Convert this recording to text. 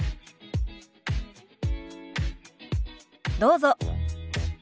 どうぞ。